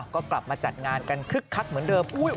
ก็กลับมาจัดงานกันคึกคักเหมือนเดิม